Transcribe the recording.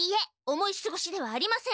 思いすごしではありません。